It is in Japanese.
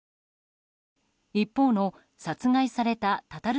一方の殺害されたタタル